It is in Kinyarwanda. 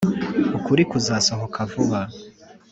ukuri kuzasohoka vuba